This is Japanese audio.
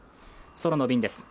空の便です。